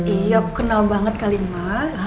iya kenal banget kali ma